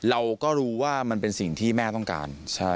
เราก็รู้ว่ามันเป็นสิ่งที่แม่ต้องการ